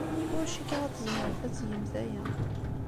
Ur cikkeɣ ad tzemremt ad tgemt aya.